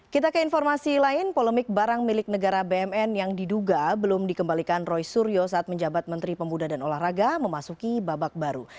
kita ke informasi lain polemik barang milik negara bmn yang diduga belum dikembalikan roy suryo saat menjabat menteri pemuda dan olahraga memasuki babak baru